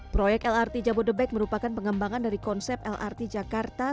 proyek lrt jabodebek merupakan pengembangan dari konsep lrt jakarta